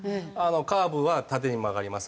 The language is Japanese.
カーブは縦に曲がります